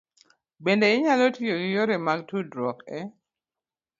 Bende, inyalo tiyo gi yore mag tudruok e